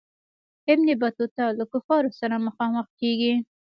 ابن بطوطه له کفارو سره مخامخ کیږي.